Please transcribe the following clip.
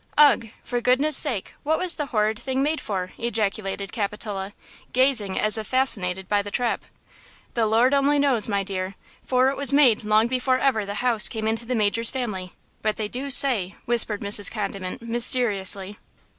"Ugh! for goodness' sake what was the horrid thing made for?" ejaculated Capitola, gazing as if fascinated by the trap. "The Lord only knows, my dear; for it was made long before ever the house came into the major's family. But they do say–" whispered Mrs. Condiment, mysteriously.